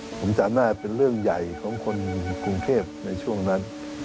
ผมจำได้เป็นเรื่องใหญ่ของคนกรุงเทพในช่วงนั้น